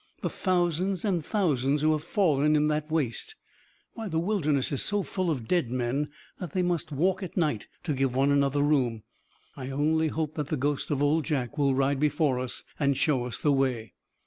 "The thousands and thousands who have fallen in that waste. Why the Wilderness is so full of dead men that they must walk at night to give one another room. I only hope that the ghost of Old Jack will ride before us and show us the way."